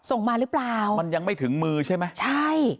ส่งมาหรือเปล่ามันยังไม่ถึงมือใช่ไหมใช่